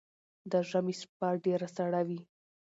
ده ژمی شپه ډیره سړه وی